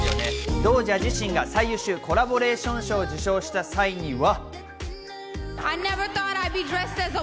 ドージャ自身が最優秀コラボレーション賞を受賞した際には。